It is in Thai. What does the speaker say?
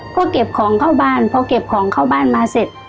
ก็เก็บของเข้าบ้านพอเก็บของเข้าบ้านมาเสร็จ